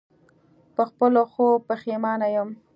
په خپلو ښو پښېمانه یم.